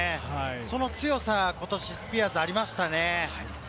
その強さが今年、スピアーズはありましたね。